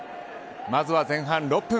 まずは前半６分。